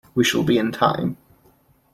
We shall be in time.